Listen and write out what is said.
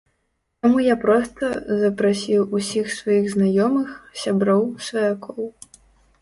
Таму я проста запрасіў усіх сваіх знаёмых, сяброў, сваякоў.